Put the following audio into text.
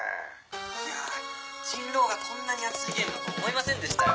いや人狼がこんなに熱いゲームだと思いませんでしたよ。